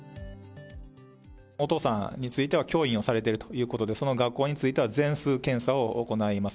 お父さんについては教員をされているということで、その学校については、全数検査を行います。